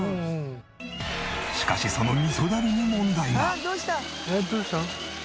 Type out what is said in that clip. しかしその味噌だるに問題が！